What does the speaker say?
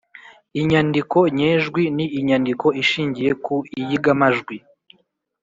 Inyandiko nyejwi ni inyandiko ishingiye ku iyigamajwi